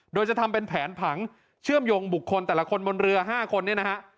โดยจะทำเป็นแผนผังเชื่อมโยงบุคคลแต่ละคนบนเรือ๕คนเนี่ยนะฮะ